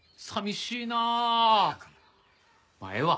まあええわ。